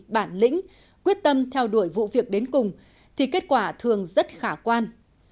bản lĩnh quyết tâm theo đuổi vụ việc đến cùng thì kết quả thường rất khả quan